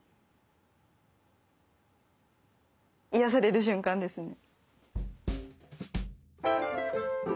癒やされる瞬間ですね。